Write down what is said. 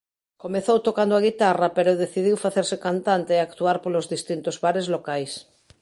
Comezou tocando a guitarra pero decidiu facerse cantante e actuar polos distintos bares locais.